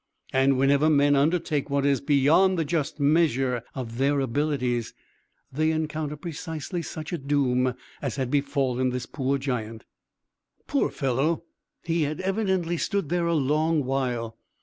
And whenever men undertake what is beyond the just measure of their abilities, they encounter precisely such a doom as had befallen this poor giant. Poor fellow! He had evidently stood there a long while.